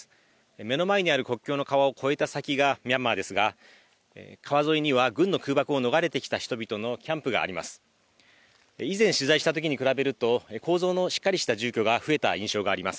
目の前にある国境の川を越えた先がミャンマーですが川沿いには軍の空爆を逃れてきた人々のキャンプがあります。